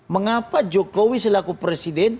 mengapa jokowi selaku presiden